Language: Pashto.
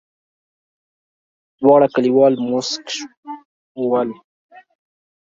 دواړه کليوال موسک ول.